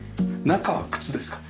中は靴ですか？